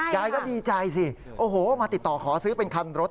ยายก็ดีใจสิโอ้โหมาติดต่อขอซื้อเป็นคันรถ